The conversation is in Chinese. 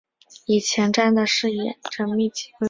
以前瞻的视野缜密规划